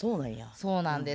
そうなんです。